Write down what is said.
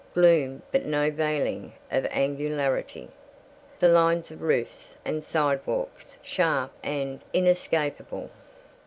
Gloom but no veiling of angularity. The lines of roofs and sidewalks sharp and inescapable.